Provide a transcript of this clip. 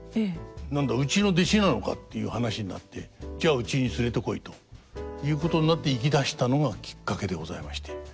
「何だうちの弟子なのか」っていう話になって「じゃあうちに連れてこい」ということになって行きだしたのがきっかけでございまして。